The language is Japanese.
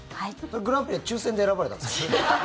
グランプリは抽選で選ばれたんですか？